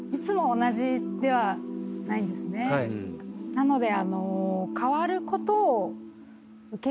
なので。